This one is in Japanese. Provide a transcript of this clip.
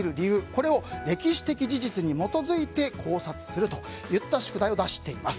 これを歴史的事実に基づいて考察するといった宿題を出しています。